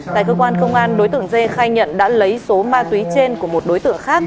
tại cơ quan công an đối tượng dê khai nhận đã lấy số ma túy trên của một đối tượng khác